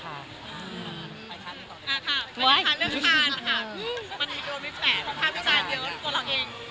อ่าค่ะเรื่องการค่ะมันมีโดยมิสแปดค่าพิจารณ์เดี๋ยวตัวเราเอง